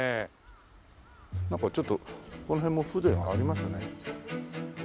なんかちょっとこの辺も風情がありますね。